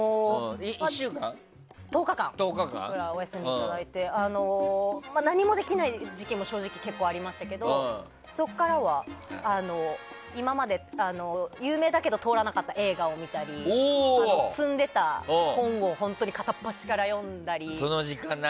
１０日間ぐらいお休みをいただいていて何もしてない時期も正直結構ありましたけどそこからは今まで有名だけど通らなかった映画を見たり積んでいた本を片っ端から読んだり。